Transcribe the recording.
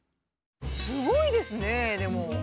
すごいですねでも。